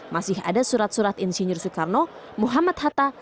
masih ada surat surat insinyur soekarno muhammad hatta